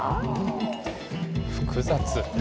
複雑。